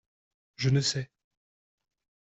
Je ne sais.